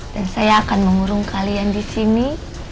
dan saya akan mengurung kalian disini